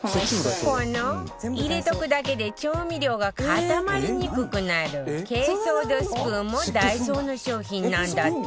この入れとくだけで調味料が固まりにくくなる珪藻土スプーンもダイソーの商品なんだって